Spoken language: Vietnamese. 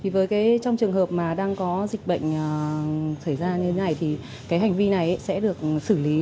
với trong trường hợp mà đang có dịch bệnh xảy ra như thế này thì cái hành vi này sẽ được xử lý